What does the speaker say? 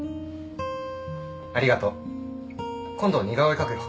ありがとう。今度似顔絵描くよ。